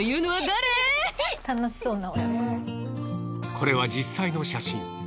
これは実際の写真。